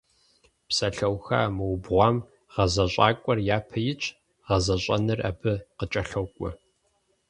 Псалъэуха мыубгъуам гъэзэщӏакӏуэр япэ итщ, гъэзэщӏэныр абы къыкӏэлъокӏуэ.